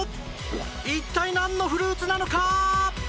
一体何のフルーツなのか？